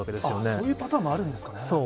そういうパターンもあるんでそう。